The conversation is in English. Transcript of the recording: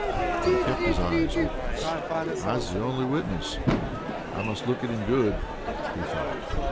But he kept his eyes open. "I'se the only witness. I must look at him good," he thought.